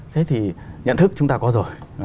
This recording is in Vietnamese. thế thì nhận thức chúng ta có rồi